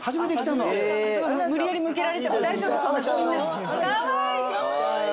無理やり向けられて大丈夫？